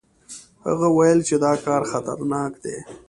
هغه ویل چې دا کار خطرناک دی.